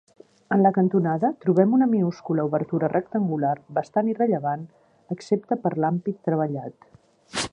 En la cantonada, trobem una minúscula obertura rectangular, bastant irrellevant, excepte per l'ampit treballat.